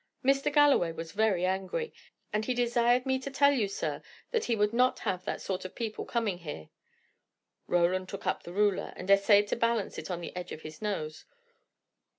Mr. Galloway was very angry, and he desired me to tell you, sir, that he would not have that sort of people coming here." Roland took up the ruler, and essayed to balance it on the edge of his nose.